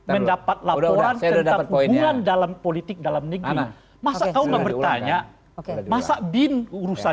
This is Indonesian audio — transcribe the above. mendapat laporan serta kegiatan dalam politik dalam negara masa kau nggak bertanya oke masa